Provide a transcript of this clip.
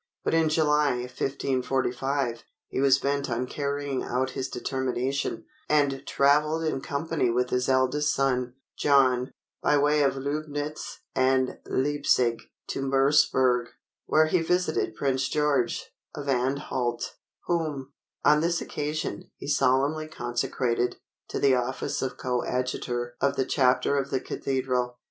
But in July, 1545, he was bent on carrying out his determination, and travelled in company with his eldest son, John, by way of Löbnitz and Leipzig to Merseburg, where he visited Prince George, of Anhalt, whom, on this occasion, he solemnly consecrated to the office of Coadjutor of the Chapter of the Cathedral.